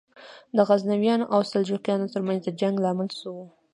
د غزنویانو او سلجوقیانو تر منځ د جنګ لامل څه و؟